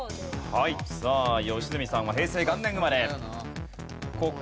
はいさあ吉住さんは平成元年生まれ。